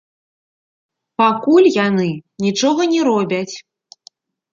Пакуль яны нічога не робяць.